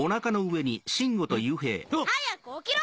あっ！早く起きろ！